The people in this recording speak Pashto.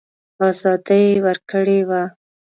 آزادي ورکړې وه.